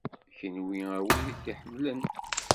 Kunwi, a wid i t-iḥemmlen.